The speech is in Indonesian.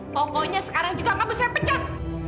pokoknya sekarang juga kamu saya pecat